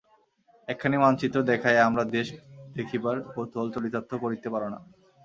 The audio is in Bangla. একখানি মানচিত্র দেখাইয়া আমরা দেশ দেখিবার কৌতূহল চরিতার্থ করিতে পার না।